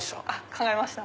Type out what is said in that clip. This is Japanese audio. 考えました。